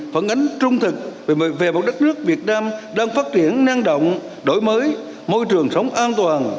phản ánh trung thực về một đất nước việt nam đang phát triển năng động đổi mới môi trường sống an toàn